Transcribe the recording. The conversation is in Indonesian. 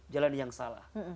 jalan yang salah